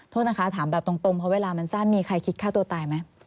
โทษนะคะถามแบบตรงเพราะเวลามันสั้นมีใครคิดฆ่าตัวตายไหม